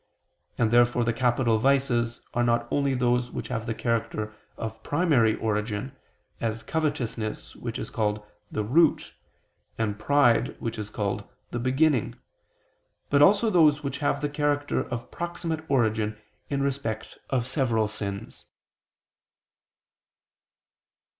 And therefore the capital vices are not only those which have the character of primary origin, as covetousness which is called the "root," and pride which is called the beginning, but also those which have the character of proximate origin in respect of several sins.